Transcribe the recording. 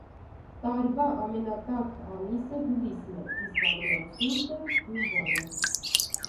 Տարվա ամենատաք ամիսը հուլիսն է, իսկ ամենացուրտը՝ հունվարը։